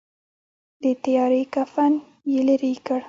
د تیارې کفن یې لیري کړ.